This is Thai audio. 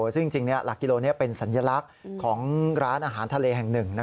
ซึ่งจริงหลักกิโลนี้เป็นสัญลักษณ์ของร้านอาหารทะเลแห่งหนึ่ง